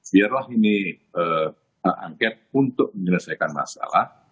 biarlah ini hak angket untuk menyelesaikan masalah